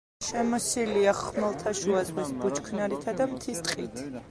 შემოსილია ხმელთაშუა ზღვის ბუჩქნარითა და მთის ტყით.